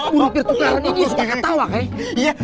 buruk tertukaran ini suka ketawa kaya